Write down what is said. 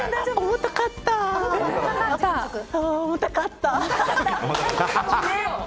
重たかった。